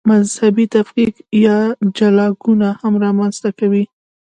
مذهبي تفکیک یا جلاکونه هم رامنځته کوي.